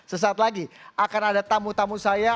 sesaat lagi akan ada tamu tamu saya